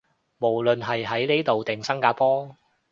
無論係喺呢度定新加坡